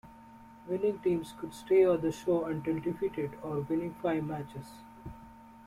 Winning teams could stay on the show until defeated or winning five matches.